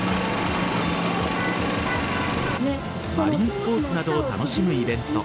マリンスポーツなどを楽しむイベント